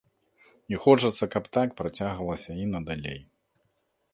І хочацца, каб так працягвалася і надалей.